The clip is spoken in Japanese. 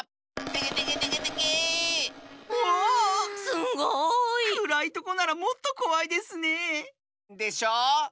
すごい！くらいとこならもっとこわいですねえ。でしょう？